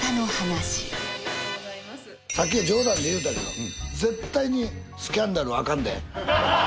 さっきは冗談で言うたけど絶対にスキャンダルはアカンで。